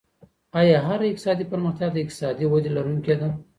آيا هره اقتصادي پرمختيا د اقتصادي ودي لرونکې ده؟